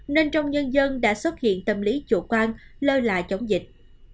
nên trong nhân dân đã xuất hiện tâm lý chủ quan lơ là chống dịch